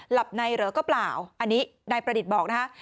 หลับในเหรอก็เปล่าอันนี้นายประดิษฐ์บอกนะคะ